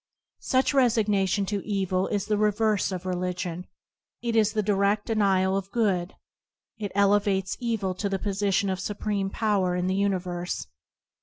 Such resignation to evil is the reverse of religion. It is a diredl denial of good; it elevates evil to the position of supreme power in the universe.